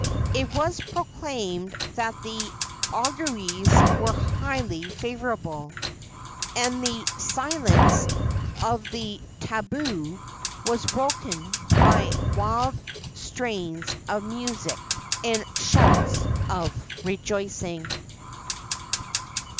It was proclaimed that the auguries were highly favorable, and the silence of the tabu was broken by wild strains of music and shouts of rejoicing.